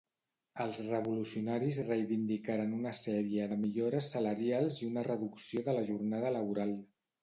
Els revolucionaris reivindicaren una sèrie de millores salarials i una reducció de la jornada laboral.